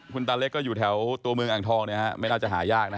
คุณตาเล็กก็อยู่แถวตัวเมืองอ่างทองไม่น่าจะหายากนะ